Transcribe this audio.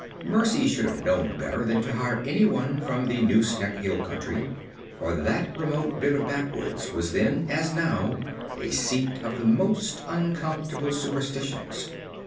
Mercy should have known better than to hire anyone from the Nooseneck Hill country, for that remote bit of backwoods was then, as now, a seat of the most uncomfortable superstitions.